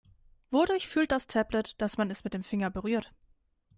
Wodurch fühlt das Tablet, dass man es mit dem Finger berührt?